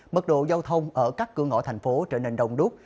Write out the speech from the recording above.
mật độ giao thông ở các cửa ngõ thành phố hồ chí minh đã trở lại